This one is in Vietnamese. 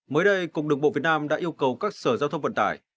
mới đây cục đường bộ việt nam đã yêu cầu các sở giao thông vận tải